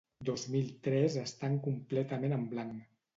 Dos mil tres estan completament en blanc.